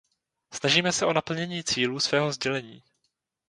Snažíme se o naplnění cílů svého sdělení.